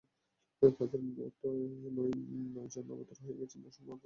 তাঁদের মতে নয় জন অবতার হয়ে গেছেন, দশম অবতার পরে আসবেন।